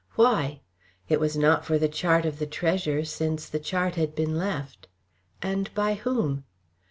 Why? It was not for the chart of the treasure, since the chart had been left. And by whom?